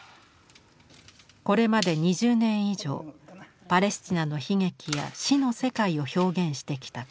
これまで２０年以上パレスチナの悲劇や死の世界を表現してきた上條。